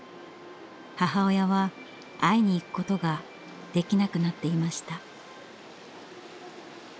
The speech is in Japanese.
母親は会いに行くことができなくなっていました。